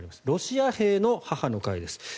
ロシア兵の母の会です。